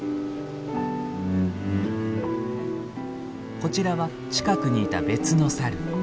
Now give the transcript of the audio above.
こちらは近くにいた別のサル。